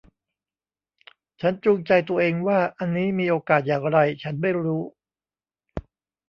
ฉันจูงใจตัวเองว่าอันนี้มีโอกาสอย่างไร ฉันไม่รู้